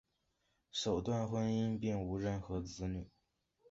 首段婚姻并无任何子女。